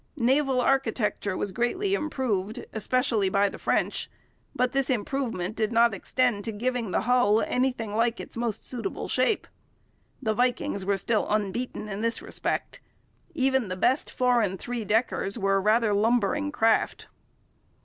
Naval architecture was greatly improved, especially by the French. But this improvement did not extend to giving the hull anything like its most suitable shape. The Vikings were still unbeaten in this respect. Even the best foreign three deckers were rather lumbering craft.